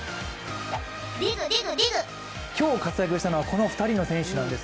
今日活躍したのはこの２人の選手なんです。